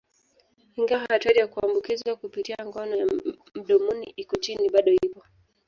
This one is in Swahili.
Ingawa hatari ya kuambukizwa kupitia ngono ya mdomoni iko chini, bado ipo.